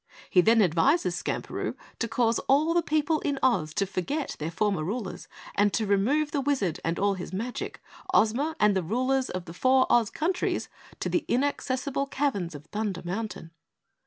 He then advises Skamperoo to cause all the people in Oz to forget their former rulers and to remove the Wizard and all his magic, Ozma, and the rulers of the four Oz countries to the inaccessible caverns of Thunder Mountain.